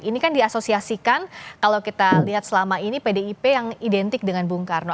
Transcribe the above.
ini kan diasosiasikan kalau kita lihat selama ini pdip yang identik dengan bung karno